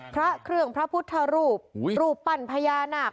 พระเครื่องพระพุทธรูปรูปปั้นพญานาค